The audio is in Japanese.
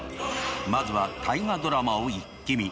まずは「大河ドラマ」をイッキ見！